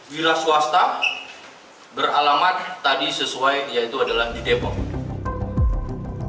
wira swasta beralamat tadi sesuai yaitu adalah jenis airsoft gun